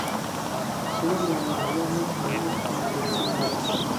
سېنىڭ ماڭغان يولۇڭدىن، مېنىڭ ئۆتكەن كۆۋرۈكۈم كۆپ.